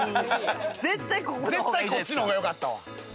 絶対こっちの方がよかったわ。